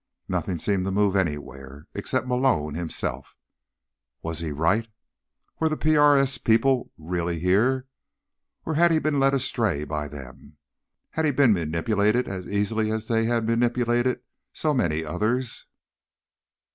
Nothing seemed to move anywhere, except Malone himself. Was he right? Were the PRS people really here? Or had he been led astray by them? Had he been manipulated as easily as they had manipulated so many others?